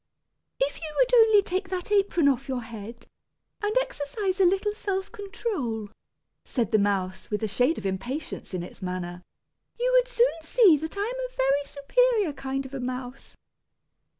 "If you would only take that apron off your head, and exercise a little self control," said the mouse, with a shade of impatience in its manner, "you would soon see that I am a very superior kind of a mouse.